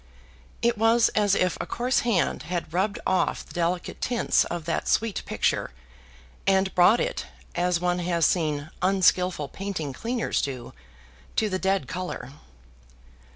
It was as if a coarse hand had rubbed off the delicate tints of that sweet picture, and brought it, as one has seen unskilful painting cleaners do, to the dead color.